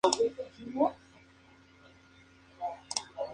Así quedarían en paz.